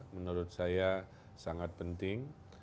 menurut saya sangat penting